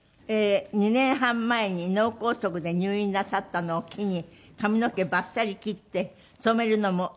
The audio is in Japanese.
２年半前に脳梗塞で入院なさったのを機に髪の毛ばっさり切って染めるのもやめた？